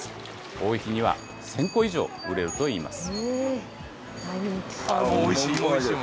多い日には１０００個以上売れるといいます。